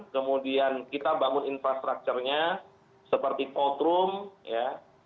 kemudian kita bangun infrastructurnya seperti cold room ya